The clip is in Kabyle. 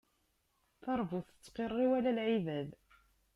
Taṛbut tettqiṛṛi, wala lɛibad.